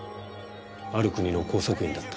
ある国の工作員だった。